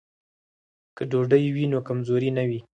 که ډوډۍ وي نو کمزوري نه وي.